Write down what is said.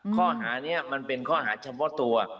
ข้อหานี้มันเป็นข้อหาเฉพาะตัว